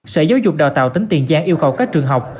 sở giáo dục đào tạo tỉnh tiền giang yêu cầu các trường học